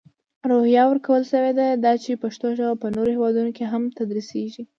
روحیه ورکول شوې ده، دا چې پښتو ژپه په نورو هیوادونو کې هم تدرېسېږي.